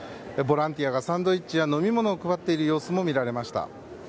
ボランティアがサンドイッチや飲み物を配っている様子も見られました。